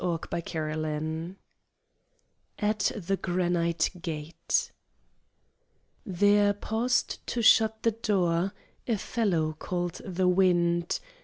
At the Granite Gate There paused to shut the door A fellow called the Wind.